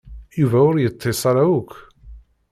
Yuba ur yeṭṭis ara akk.